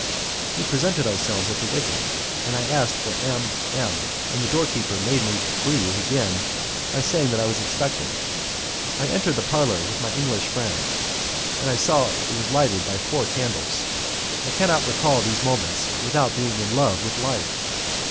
We presented ourselves at the wicket, and I asked for M M , and the doorkeeper made me breathe again by saying that I was expected. I entered the parlour with my English friend, and saw that it was lighted by four candles. I cannot recall these moments without being in love with life.